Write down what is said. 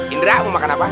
indra mau makan apa